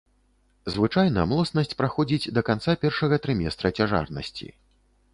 Звычайна млоснасць праходзіць да канца першага трыместра цяжарнасці.